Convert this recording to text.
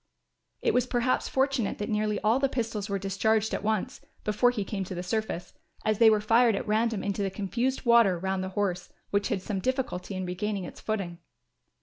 It was perhaps fortunate that nearly all the pistols were discharged at once, before he came to the surface, as they were fired at random into the confused water round the horse, which had some difficulty in regaining its footing.